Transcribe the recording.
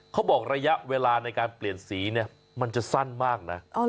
ระยะเวลาในการเปลี่ยนสีเนี่ยมันจะสั้นมากนะ